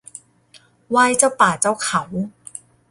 ไหว้เจ้าป่าเจ้าเขา